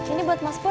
ini buat mas pur